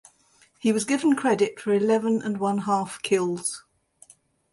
He was given credit for eleven and one half kills.